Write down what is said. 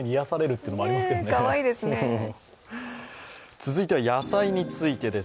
続いては野菜についてです。